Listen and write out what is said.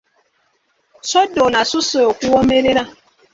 Soda ono asusse okuwoomerera!